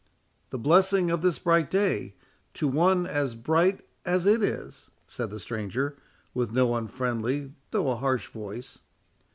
"The blessings of this bright day to one as bright as it is," said the stranger, with no unfriendly, though a harsh voice.